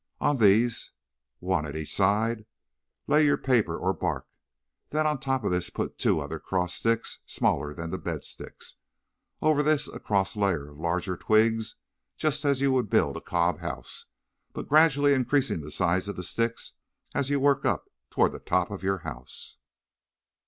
On these, one at each side, lay your paper or bark, then on top of this put two other cross sticks, smaller than the bed sticks; over this a cross layer of larger twigs just as you would build a cob house, but gradually increasing the size of the sticks as you work up toward the top of your house.